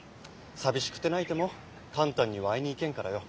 寂しくて泣いても簡単には会いに行けんからよ。